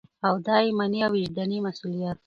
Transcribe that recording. او دا ایماني او وجداني مسؤلیت